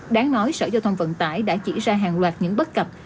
đáng nói sở giao thông vận tải đã chỉ ra hàng loạt những bất cập